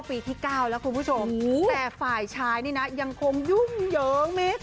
ผีไม่แกล้งให้น้องคอยน้ำ